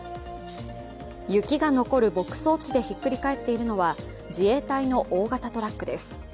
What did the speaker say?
雪が残る牧草地でひっくり返っているのは、自衛隊の大型トラックです。